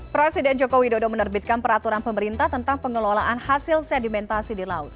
presiden joko widodo menerbitkan peraturan pemerintah tentang pengelolaan hasil sedimentasi di laut